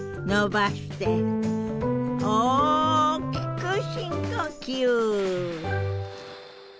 大きく深呼吸。